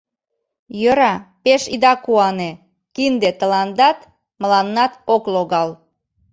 Йӧра, пеш ида куане: кинде тыландат, мыланнат ок логал».